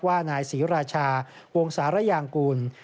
ว่านายศรีราชาวงศารยางกูล